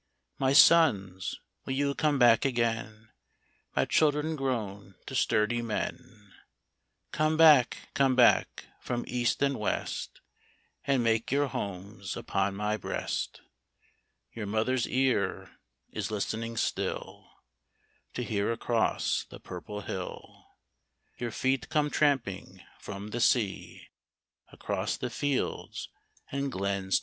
My sons, will you come back again, My children grown to sturdy men ? Come back, come back, from east and west, And make your homes upon my breast ? Your mother's ear is listening still To hear across the purple hill Your feet come tramping from the sea Across the fields and glens to me.